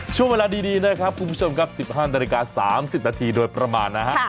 ช่วงเวลาดีดีนะครับคุณผู้ชมครับสิบห้านนาฬิกาสามสิบนาทีโดยประมาณนะฮะค่ะ